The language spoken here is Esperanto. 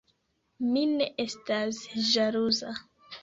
Mi ne estas ĵaluza“.